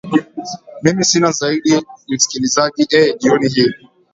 mimi sina zaidi msikilizaji ee jioni hii